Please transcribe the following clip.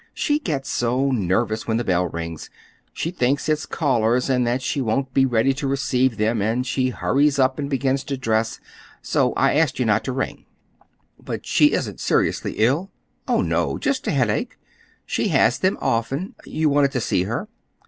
She gets so nervous when the bell rings. She thinks it's callers, and that she won't be ready to receive them; and she hurries up and begins to dress. So I asked you not to ring." "But she isn't seriously ill?" "Oh, no, just a headache. She has them often. You wanted to see her?"